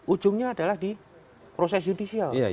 ujungnya adalah di proses judicial